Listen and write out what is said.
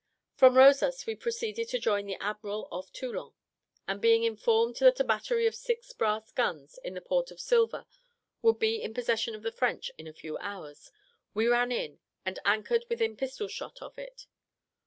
From Rosas we proceeded to join the admiral off Toulon; and being informed that a battery of six brass guns, in the port of Silva, would be in possession of the French in a few hours, we ran in, and anchored within pistol shot of it.